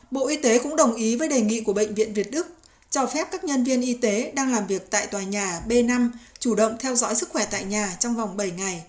bộ y tế cũng đồng ý với đề nghị của bệnh viện việt đức cho phép các nhân viên y tế đang làm việc tại tòa nhà b năm chủ động theo dõi sức khỏe tại nhà trong vòng bảy ngày